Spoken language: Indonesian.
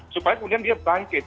supaya kemudian dia bangkit